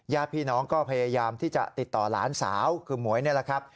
ญาติพี่น้องก็พยายามที่จะติดต่อหลานสาวคือหมวยนี่แหละครับ